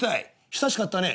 久しかったねえ」。